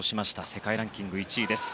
世界ランキング１位です。